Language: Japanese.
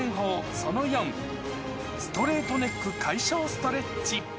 その４、ストレートネック解消ストレッチ。